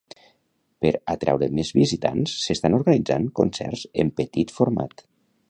Per atraure més visitants s'estan organitzant concerts en petit format.